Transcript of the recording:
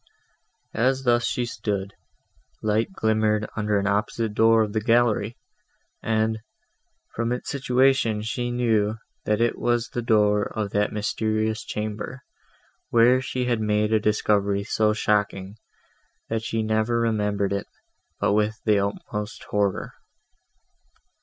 As thus she stood, light glimmered under an opposite door of the gallery, and, from its situation, she knew, that it was the door of that mysterious chamber, where she had made a discovery so shocking, that she never remembered it but with the utmost horror.